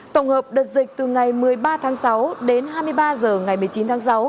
tổng hợp đợt dịch từ ngày một mươi ba tháng sáu đến hai mươi ba h ngày một mươi chín tháng sáu